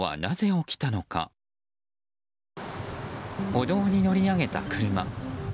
歩道に乗り上げた車。